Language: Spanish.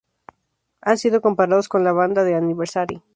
Han sido comparados con la banda The Anniversary.